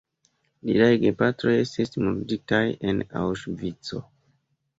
Liaj gepatroj estis murditaj en Aŭŝvico.